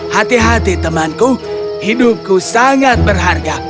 hati hati temanku hidupku sangat berharga